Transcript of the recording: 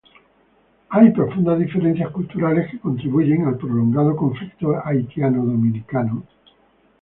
Hay profundas diferencias culturales que contribuyen al prolongado conflicto haitiano-dominicano.